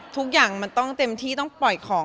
ทุกอย่างมันต้องเต็มที่ต้องปล่อยของ